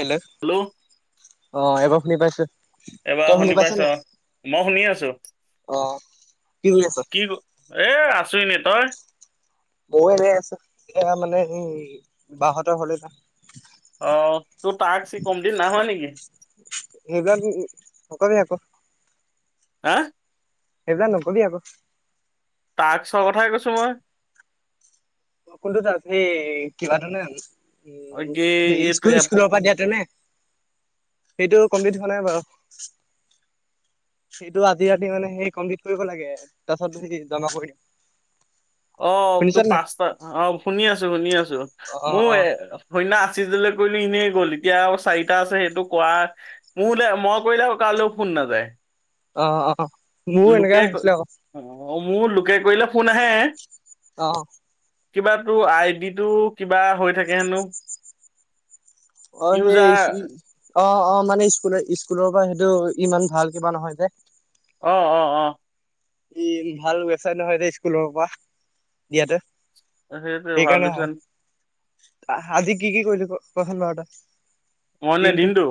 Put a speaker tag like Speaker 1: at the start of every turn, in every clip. Speaker 1: Hello
Speaker 2: hello
Speaker 1: অ এইবাৰ শুনি পাইছো। তই শুনি পাইছ নাই?
Speaker 2: মই শুনি আছোঁ।
Speaker 1: অ কি কৰি আছ
Speaker 2: কি এ আছোঁ এনে, তই?
Speaker 1: ময়ো এনে আছোঁ। এয়া মানে এই বাহঁতৰ ঘৰলে যাম।
Speaker 2: অ তোৰ তাকচি কম্পলিট নাই হোৱা নেকি?
Speaker 1: [unintelligible]
Speaker 2: হা
Speaker 1: সেইবিলাক নকবি আকৌ
Speaker 2: টাস্কৰ কথাই কৈছোঁ মই।
Speaker 1: কোনটোত টাস্ক, সেই কিবাটো নে?
Speaker 2: কি
Speaker 1: উম
Speaker 2: এইটো
Speaker 1: স্কুল
Speaker 2: এপ
Speaker 1: স্কুলৰ পৰা দিয়াতো নে? সেইটো কমপ্লিট হোৱা নাই বাৰু। সেইটো আজি ৰাতি মানে সেই কমপ্লিট কৰিব লাগে তাৰ পাছত জমা কৰি দিম। [inaudible]
Speaker 2: অ
Speaker 1: শুনিছ
Speaker 2: তোৰ
Speaker 1: নাই
Speaker 2: পাঁচটা অ শুনি আছোঁ শুনি আছোঁ
Speaker 1: অ
Speaker 2: মোৰ
Speaker 1: অ
Speaker 2: এ সেইদিনা আশীজলৈ কৰিলো এনেই গ'ল এতিয়া আৰু চাৰিটা আছে সেইটো কৰা মোৰলে মই কৰিলে কাৰোলে ফোন নাযায়।
Speaker 1: অ অ মোৰো এনেকাই
Speaker 2: লোকে
Speaker 1: হৈছিলে আকৌ
Speaker 2: অ মোৰ লোকে কৰিলে ফোন আহে।
Speaker 1: অহ
Speaker 2: কিবা তোৰ আইডিটো কিবা হৈ থাকে হেনো।
Speaker 1: অ
Speaker 2: ইউজাৰ
Speaker 1: সেই [unintelligible] অ অ মানে স্কুলৰ স্কুলৰ পৰা সেইটো ইমান ভাল কিবা নহয় যে
Speaker 2: অ অ অ
Speaker 1: ই ভাল ৱেবচাইত নহয় যে স্কুলৰ পৰা দিয়াতে।
Speaker 2: সেইটোৱে ভাল
Speaker 1: সেইকাৰণে
Speaker 2: ডিচিছন
Speaker 1: হয়। আজি কি কি কৰিলি কচোন বাৰু তই
Speaker 2: মই মানে দিনটো?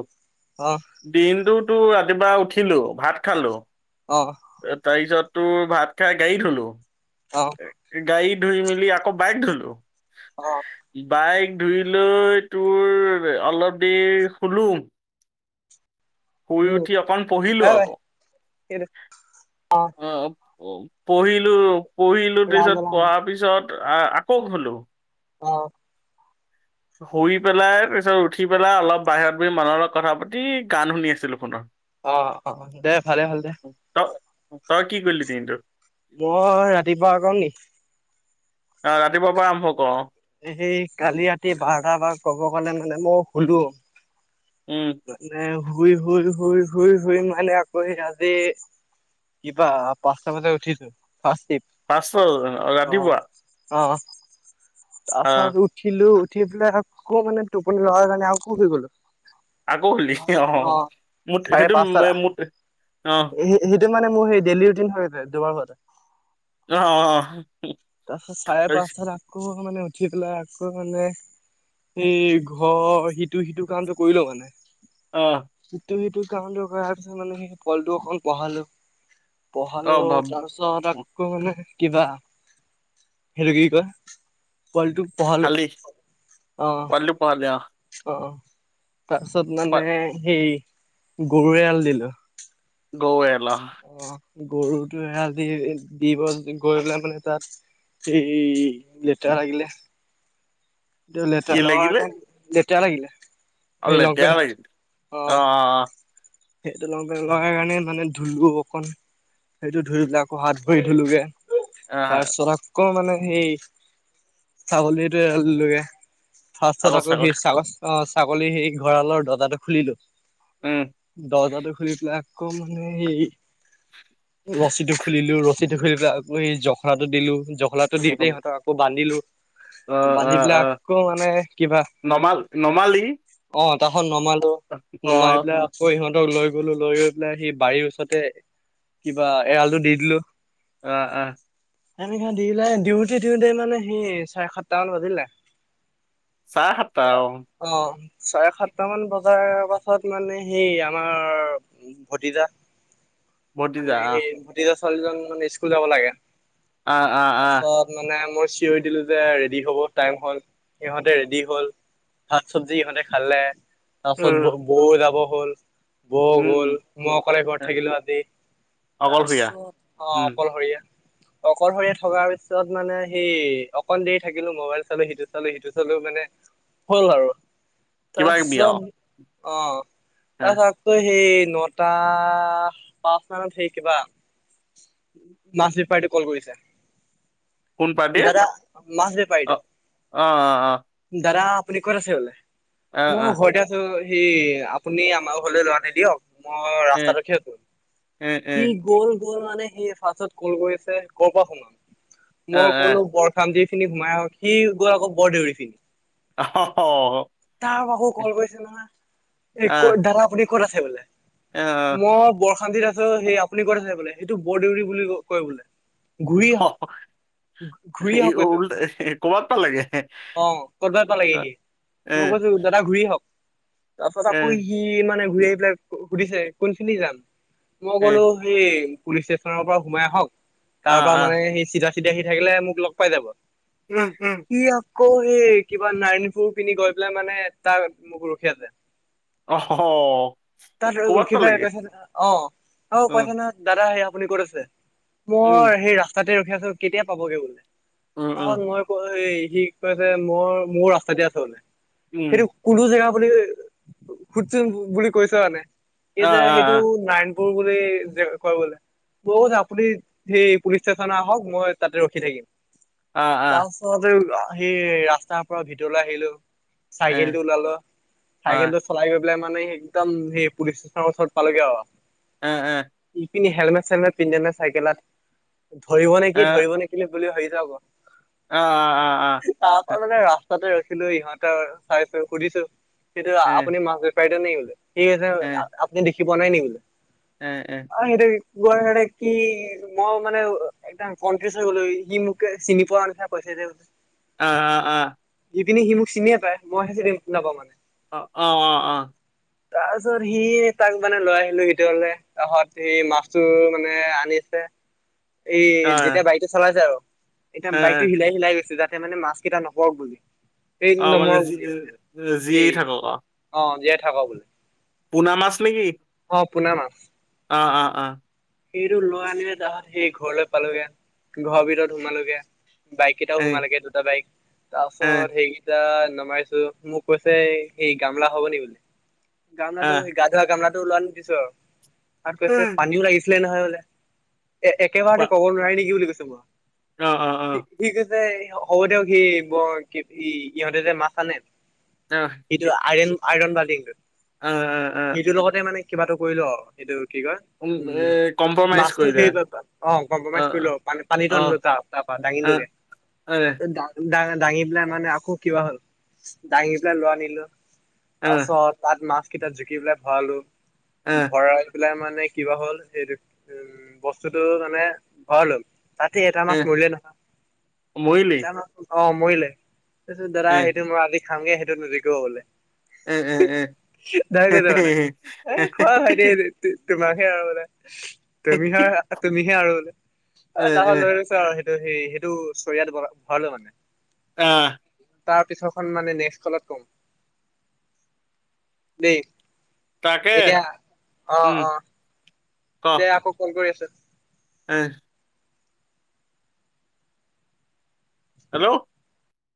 Speaker 1: অ
Speaker 2: দিনটোতো ৰাতিপুৱা উঠিলো ভাত খালো।
Speaker 1: অঁ
Speaker 2: তাৰপিছত তোৰ ভাত খাই গাড়ী ধুলোঁ।
Speaker 1: অ
Speaker 2: গাড়ী ধুই মেলি আকৌ বাইক ধুলোঁ।
Speaker 1: অ
Speaker 2: বাইক ধুই লৈ তোৰ অলপ দেৰি শুলোঁ। শুই
Speaker 1: উম
Speaker 2: উঠি অকণ পঢ়িলো
Speaker 1: হে
Speaker 2: আকৌ।
Speaker 1: [unintelligible]
Speaker 2: অ', অ' পঢ়িলো, পঢ়িলো
Speaker 1: ৰাম
Speaker 2: তাৰপিছত
Speaker 1: ৰাম
Speaker 2: পঢ়া পিছত আ আকৌ শুলোঁ।
Speaker 1: অ'।
Speaker 2: শুই পেলাই তাৰ পিছত উঠি পেলাই অলপ বাহিৰত বহি মানুহৰ লগত কথা পাতি গান শুনি আছিলো ফোনত।
Speaker 1: অ' অ' দে, ভালে হ'ল।
Speaker 2: ত, তই কি কৰিলি দিনটোত?
Speaker 1: মই ৰাতিপুৱা কম নি?
Speaker 2: অ ৰাতিপুৱাৰ পৰা আৰম্ভ কৰ।
Speaker 1: এই কালি ৰাতি বাৰটা বাৰ কব গ'লে মানে মই শুলো।
Speaker 2: উম
Speaker 1: মানে শুই শুই শুই শুই শুই মানে আকৌ এ আজি কিবা পাঁচটা বজাত উঠিছো ফাৰ্ষ্ট টিপ
Speaker 2: পাঁচটা ৰাতিপুৱা
Speaker 1: অ
Speaker 2: আহ
Speaker 1: তাৰপাছত উঠিলো উঠি পেলাই আকৌ টোপনি লগাৰ কাৰণে আৰু আকৌ শুই গ'লো।
Speaker 2: আকৌ শুলি অ', মোট
Speaker 1: চাৰে
Speaker 2: সেইটো
Speaker 1: পাঁচটাত
Speaker 2: মোট অ'।
Speaker 1: সেইটো মানে মোৰ সেই ডেইলি ৰুটিন হৈ যায় দুৱাবাৰে
Speaker 2: অ', অ'।
Speaker 1: তাৰপিছত চাৰে
Speaker 2: তাৰপিছত
Speaker 1: পাঁচটাত আকৌ মানে উঠি পেলাই আকৌ মানে এই ঘৰ সিটো সিটো কামটো কৰি লও মানে।
Speaker 2: অঁ'।
Speaker 1: ইটো সিটো কামটো কৰাৰ পিছত মানে সেই পোৱালিটোক অকখন পঢ়ালো।
Speaker 2: অ
Speaker 1: পঢ়ালো
Speaker 2: ভাব
Speaker 1: তাৰপাছত আকৌ মানে কিবা হেৰি কি কয় পোৱালিটো পঢ়া
Speaker 2: খালি, পোৱলিটোক পঢ়ালি অ'।
Speaker 1: অ' তাৰপিছত মানে সেই গৰু এৰাল দিলো।
Speaker 2: গৰু এৰাল
Speaker 1: অ' গৰুটো এৰাল দি দি গৈ গৈ পেলাই মানে তাত এই, লেটেৰা লাগিলে। লেতেৰা
Speaker 2: কি
Speaker 1: লগোৱাৰ
Speaker 2: লাগিলে
Speaker 1: কাৰণ লেতেৰা লাগিলে
Speaker 2: অ
Speaker 1: সেই
Speaker 2: লেতেৰা
Speaker 1: লংপেনত
Speaker 2: লাগিল
Speaker 1: অ'।
Speaker 2: অ' অ'।
Speaker 1: সেইটো লংপেণ্টত লগা কাৰণে মানে ধুলো অকণ সেইটো ধুই পেলাই আকৌ হাত ভৰি ধুলোগে।
Speaker 2: অ
Speaker 1: তাৰপিছত আকৌ মানে সেই ছাগলীটো এৰাল দিলোগে। ফাৰ্ষ্টত আকৌ সেই ছাগ অ ছাগলী সেই ঘঁৰালৰ দৰ্জাটো খুলিলো।
Speaker 2: উম।
Speaker 1: দৰ্জাটো খুলি পেলাই আকৌ মানে সেই ৰছীটো খুলিলো, ৰছীটো খুলি পেলাই আকৌ সেই জখলাটো দিলো, জখলাটো দি পেলাই সিহতক আকৌ বান্ধিলো।
Speaker 2: অ অ
Speaker 1: বান্ধি
Speaker 2: অ
Speaker 1: পেলাই আকৌ মানে কিবা
Speaker 2: নমাল নমালি
Speaker 1: অ' তাৰপাছত নমালো
Speaker 2: অ
Speaker 1: নমাই পেলাই আক কৌ সিহঁতক লৈ গ'লো লৈ গৈ পেলাই সি বাৰী ওচৰতে কিবা এৰালটো দি দিলো।
Speaker 2: আ' আ।
Speaker 1: এনেকা দিলে দিওঁতে দিওঁতে মানে সি চাৰে সাতটা মান বাজিলে।
Speaker 2: চাৰে সাতটা অ'।
Speaker 1: অ চাৰে সাতটা মান বজাৰ পাছত মানে সেই আমাৰ ভতিজা,
Speaker 2: ভতিজা
Speaker 1: মানে
Speaker 2: আহ
Speaker 1: সেই ভতিজা ছোৱালী জনী মানে স্কুল যাব লাগে।
Speaker 2: আ আ আ
Speaker 1: তাৰপাছত মানে মই চিঞৰি দিলো যে ৰেডি হ'ব টাইম হ'ল সিহঁতে ৰেডি হ'ল। ভাত চব্জি ইহঁতে খালে তাৰপাছত ব
Speaker 2: উম
Speaker 1: বৌও যাব হল। বৌ গ'ল
Speaker 2: উম
Speaker 1: মই অকলে ঘৰত থাকিলো আজি।
Speaker 2: অকলশৰীয়া
Speaker 1: তাৰপাছত অ'
Speaker 2: উম
Speaker 1: অকলশৰীয়া। অকলশৰীয়া থকাৰ পিছত মানে সেই অকণ দেৰি থাকিলো মবাইল চালো সিটো চালো সিটো চালো মানে হল আৰু,
Speaker 2: কিবা কিবি
Speaker 1: তাৰপিছত
Speaker 2: আৰু
Speaker 1: অ'। তা আকৌ সেই নটা পাঁচ মানত হে কিবা মাছ বেপাৰীটোৱে কল কৰিছে।
Speaker 2: কোন পাৰ্টিৰ
Speaker 1: দাদা, মাছ
Speaker 2: অ
Speaker 1: বেপাৰীটো।
Speaker 2: অ
Speaker 1: দাদা আপুনি ক'ত আছে বোলে।
Speaker 2: অ অ
Speaker 1: মও
Speaker 2: অ
Speaker 1: ঘৰতে আছো। সি আপ আপুনি আমাৰ ঘৰলৈ লোৱা নি দিয়ক, মই
Speaker 2: এ
Speaker 1: ৰাস্তাট ৰখি আছো।
Speaker 2: এ এ
Speaker 1: সি গ'ল গ'ল মানে সি ফাৰ্ষ্টত কল কৰিছে, কৰ পৰা সোমাম?
Speaker 2: অ অ
Speaker 1: মই ক'লো বৰ [unintelligible] পিনি সোমাই আহক, সি গৈ আকৌ বৰদেউৰী ফি
Speaker 2: অ
Speaker 1: তাক আকৌ কল কৰিছে নহয়। এই ক'ত
Speaker 2: আহ
Speaker 1: দাদা আপুনি ক'ত আছে বোলে?
Speaker 2: আহ
Speaker 1: মই বৰখামতিত আ চ', সেই আপুনি ক'ত আছে বোলে? সেইটো বৰদেউৰী বুলি ক-কয় বোলে, ঘূৰি আহক। ঘূৰি
Speaker 2: এই
Speaker 1: আহক গৈ।
Speaker 2: উল কৰ'বাত পালেগে
Speaker 1: অ', কৰ'বাত পালেগে সি।
Speaker 2: এ
Speaker 1: মই কৈছো, দাদা ঘূৰি আহক। তাৰ পাছ
Speaker 2: এ
Speaker 1: আকৌ সি মানে ঘূৰি আহি পেলাই সু-সুধিছে, কোনপিনি যাম? মই
Speaker 2: এ
Speaker 1: কলো সেই পুলিচ ষ্টেচনৰ পৰা সোমাই আহক, তাৰ
Speaker 2: আহ
Speaker 1: পৰা
Speaker 2: আহ
Speaker 1: মানে সেই চিধা ছি চিধা আহি থাকিলে, মোক লগ পাই যাব।
Speaker 2: উম, উম।
Speaker 1: সি আকৌ সেই কিবা নাৰায়নপুৰ পিনি গৈ পেলাই মানে তাৰ মোক ৰখি আছে।
Speaker 2: [unintelligible]
Speaker 1: তাত
Speaker 2: কৰ'বাত
Speaker 1: ৰ-ৰখিপেলাই
Speaker 2: পালেগে
Speaker 1: কৈছে দাদা অ', আকৌ
Speaker 2: উম
Speaker 1: কৈছে নহয় দাদা হে আপুনি ক'ত আছে?
Speaker 2: উম
Speaker 1: মই সেই ৰাস্তাতে ৰখি আছো কেতিয়া পাবগে বোলে?
Speaker 2: উম
Speaker 1: তা
Speaker 2: উম
Speaker 1: মই সি কৈছে মোৰ-মোৰ ৰাস্তা দি আছ বোলে।
Speaker 2: উম
Speaker 1: সেইটো কোনতো জেগা বুলি সুধছোন বুলি কৈছো মানে। সি যে
Speaker 2: আহ
Speaker 1: সেইটো
Speaker 2: আহ
Speaker 1: নাৰায়ণপু পুৰ বুলি যে কয় বোলে। বহুত আপুনি সেই পুলিচ ষ্টেচনত আহক, মই তাতে ৰখি থাকিম।
Speaker 2: আহ আহ
Speaker 1: তাৰ পিছতে [unintelligible] সি ৰাস্তাৰ পৰা ভিতৰলে আহিলো।
Speaker 2: এ
Speaker 1: চাইকেলটো ওলালো।
Speaker 2: অ
Speaker 1: চাইকেলটো চলাই গৈ পেলাই মানে সে একদম সেই পুলিচ [unintelligible] ওচৰত পালেগে অ।
Speaker 2: এ', এ'।
Speaker 1: ইপিনি হেলমেট-চেলমেট পিন্ধে নে চাইকেলত, ধৰিব
Speaker 2: এ
Speaker 1: নেকি ধৰিব নেক [unintelligible] বুলি ভাবি [unintelligible]
Speaker 2: অ' অ', অ', অ'।
Speaker 1: তাৰপা মানে ৰাস্তাতে ৰখিলো ইহঁতৰ চাইছো সুধিছো, সেইটো
Speaker 2: এ
Speaker 1: আপুনি মাছবে [unintelligible] সি [unintelligible]
Speaker 2: এ
Speaker 1: আ-আপুনি দেখি পোৱা নাই নি বোলে?
Speaker 2: এ', এ'।
Speaker 1: [unintelligible] কি মও মানে [unintelligible] একদম কনফিউচ হৈ গ'লো। সি মোকে চিনি পোৱা নি পইচা দিয়া বোলে।
Speaker 2: আ', আ', আ'।
Speaker 1: ইপিনি সি মোক চিনিয়ে পাই, মই হে চিনি না-নাপাও মানে।
Speaker 2: অ', অ', অ', অ'।
Speaker 1: তাৰপিছত সি তাক মানে লৈ আহিলো ভিতৰলে, তাহত সি মাছটো মানে আনিছে। এই
Speaker 2: অ
Speaker 1: যেতিয়া বাইকটো চলাইছে আৰু,
Speaker 2: এ
Speaker 1: এতিয়া
Speaker 2: এ
Speaker 1: বাইকটো হিলাই-হিলাই গৈছে। যাতে মানে মাছ কেইটা নকৰক বুলি। এই
Speaker 2: অ', মানে
Speaker 1: নমৰক বুলি মানে
Speaker 2: জী-জী
Speaker 1: এই
Speaker 2: থাকক আও।
Speaker 1: অ', জীয়াই থাকক বোলে।
Speaker 2: পুনা মাছ নেকি?
Speaker 1: অ পুনা মাছ।
Speaker 2: অ অ অ।
Speaker 1: সেইটো লৈ আনিলে তাহাঁত সেই ঘৰলৈ পালোগে, ঘৰৰ ভিতৰত সোমালোগে। বাইক কেইটাও
Speaker 2: এ
Speaker 1: সোমালেগে দুটা বাইক। তাৰ
Speaker 2: এ
Speaker 1: পাছত হেৰি টা নমাইছো। মোক কৈছে সেই এই গামলা হব নে বুলি, গামলাটো
Speaker 2: আহ
Speaker 1: সেই গাত ধৰা গামলাটো ওলোৱা আনি দিছো। আৰু কৈছে পানীও লাগিছিলে নহয় বোলে। এ একেবাৰতে কব নোৱাৰে নেকি বুলি কৈছো মই।
Speaker 2: অ অ।
Speaker 1: সি-সি কৈছে হ'ব দিয়ক বৰ কি ই ইহঁতে যে মাছ আনে
Speaker 2: অহ।
Speaker 1: সেইটো আইৰন-আইৰণ বাল্টিংটোত।
Speaker 2: আ, আ।
Speaker 1: সিটোৰ লগতে মানে কিবাটো কৰিল, সেইটো কি কয়?
Speaker 2: [unintelligible]
Speaker 1: মাছতো
Speaker 2: কৰিলা
Speaker 1: সেই [unintelligible] অ কম্প্ৰমাইজ কৰিলো পান পানীটো আনিলো তা তাৰ পৰা দাঙিলোগে।
Speaker 2: হয়।
Speaker 1: দা দাঙি পেলাই মানে আকৌ কিবা হ'ল। দাঙি পেলাই লৈ আনিলো।
Speaker 2: এ
Speaker 1: তাৰপাছত, তাত মাছ কেইটাত জুখি পেলাই ভৰালো।
Speaker 2: এ
Speaker 1: ভৰাই পেলাই মানে কিবা হ'ল সেইটো উম বস্তুটো মানে ভৰালোঁ। তাতে এটা মাছ
Speaker 2: এ
Speaker 1: মৰিলে নহয়।
Speaker 2: মৰিলি
Speaker 1: এটা মাছ, অ মৰিলে। তাৰপিছত দাদা
Speaker 2: এ
Speaker 1: সেইটো মই আজি খামগে সেইটো নুজুখিব বোলে।
Speaker 2: এ এ
Speaker 1: ডাইৰেক কৈছে মানে। এ খোৱা ভাইটি তোমাকহে আৰু বোলে। তুমিহে তুমিহে আৰু বোলে। এ দা খন লৈ গৈছো আও সেই ত সেই সেইটো চৰিয়াত ভৰালোঁ মানে।
Speaker 2: আ।
Speaker 1: তাৰ পিছৰখন মানে নেক্স কলত কম। দেই,
Speaker 2: তাকে
Speaker 1: এতিয়া অ
Speaker 2: উম
Speaker 1: অ।
Speaker 2: ক।
Speaker 1: দে আকৌ কল কৰি আছো।
Speaker 2: এ। হেল্ল'